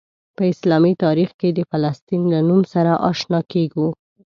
په اسلامي تاریخ کې د فلسطین له نوم سره آشنا کیږو.